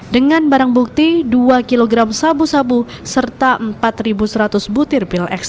dengan barang bukti dua kg sabu sabu serta empat seratus butir pil x